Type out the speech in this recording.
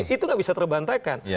itu nggak bisa terbantahkan